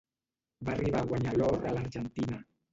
Va arribar a guanyar l'or a l'Argentina.